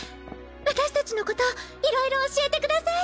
私たちのこといろいろ教えてください。